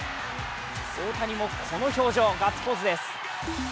大谷もこの表情ガッツポーズです。